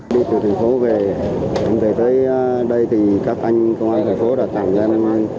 đi từ thành phố về em về tới đây thì các anh công an thành phố đã tặng cho em